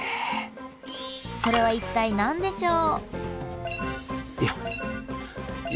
それは一体何でしょう？